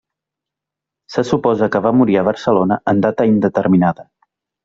Se suposa que va morir a Barcelona en data indeterminada.